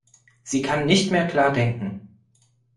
Sie kann nicht mehr klar denken.